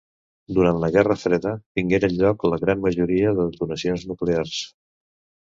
Durant la Guerra Freda tingueren lloc la gran majoria de detonacions nuclears.